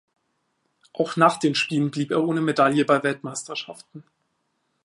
Auch nach den Spielen blieb er ohne Medaille bei Weltmeisterschaften.